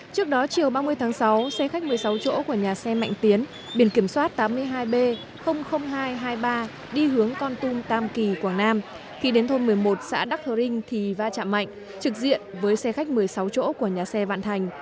trước đó chiều ba mươi tháng sáu xe khách một mươi sáu chỗ của nhà xe mạnh tiến biển kiểm soát tám mươi hai b hai trăm hai mươi ba đi hướng con tum tam kỳ quảng nam khi đến thôn một mươi một xã đắc hơ rinh thì va chạm mạnh trực diện với xe khách một mươi sáu chỗ của nhà xe vạn thành